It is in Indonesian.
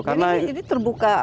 jadi ini terbuka untuk umum